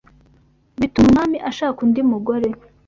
bituma umwami ashaka undi mugore